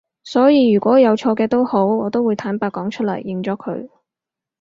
所以如果我有錯嘅都好我都會坦白講出嚟，認咗佢